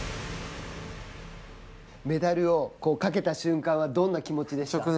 メダルをかけた瞬間は、どんな気持ちでした？